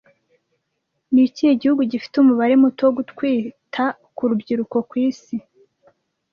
Ni ikihe gihugu gifite umubare muto wo gutwita ku rubyiruko ku isi